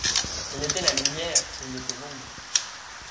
Elle était la lumière et il était l’ombre.